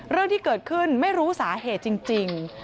เรื่องที่เกิดขึ้นไม่รู้สาเหตุจริง